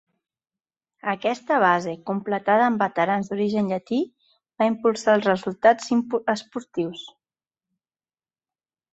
Aquesta base, completada amb veterans d'origen llatí, va impulsar els resultats esportius.